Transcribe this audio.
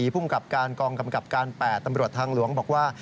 ภูมิกับการกองกำกับการ๘ตำรวจทางหลวงบอกว่า